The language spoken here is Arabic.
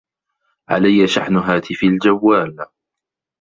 علي شحن هاتفي الجوال.